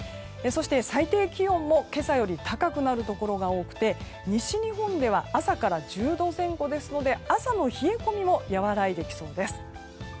そして、最低気温も今朝より高くなるところが多くて西日本では朝から１０度前後ですので朝の冷え込みも和らいできそうです。